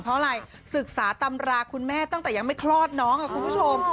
เพราะอะไรศึกษาตำราคุณแม่ตั้งแต่ยังไม่คลอดน้องค่ะคุณผู้ชม